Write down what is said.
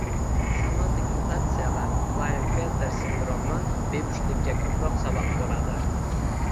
Somatik mutatsiyalar, Klaynfelter sindromi bepushtlikka ko‘proq sabab bo‘ladi.